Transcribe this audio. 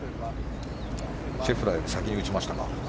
シェフラーより先に打ちましたか。